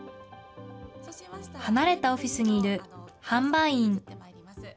離れたオフィスにいる販売員。